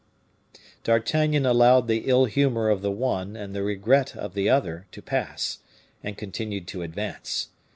D'Artagnan allowed the ill humor of the one and the regret of the other to pass, and continued to advance.